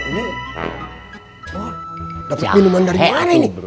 ini dapat minuman dari mana ini